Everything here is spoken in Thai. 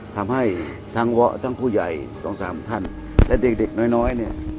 ทำให้ทั้งวะทั้งผู้ใหญ่๒๓ท่านและเด็กน้อยเนี่ย